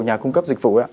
nhà cung cấp dịch vụ